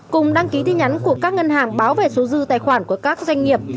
cùng đăng ký tin nhắn của các ngân hàng báo về số dư tài khoản của các doanh nghiệp